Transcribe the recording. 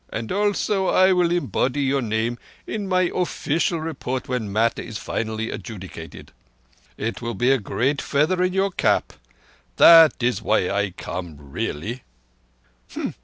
And also I will embody your name in my offeecial report when matter is finally adjudicated. It will be a great feather in your cap. That is why I come really."